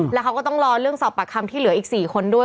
แล้วเขาก็ต้องรอเรื่องสอบปากคำที่เหลืออีก๔คนด้วย